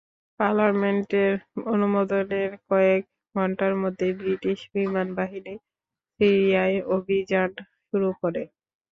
পার্লামেন্টের অনুমোদনের কয়েক ঘণ্টার মধ্যেই ব্রিটিশ বিমানবাহিনী সিরিয়ায় অভিযান শুরু করে।